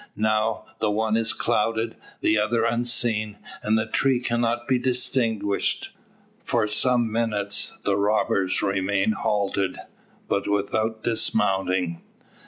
Now, the one is clouded, the other unseen, and the tree cannot be distinguished. For some minutes the robbers remain halted, but without dismounting.